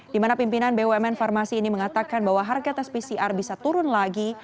di mana pimpinan bumn farmasi ini mengatakan bahwa harga tes pcr bisa turun lagi